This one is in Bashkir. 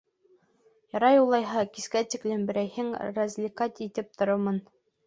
Ярай улайһа, кискә тиклем берәйһен развлекать итеп торормон.